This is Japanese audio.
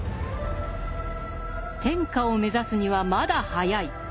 天下を目指すにはまだ早い。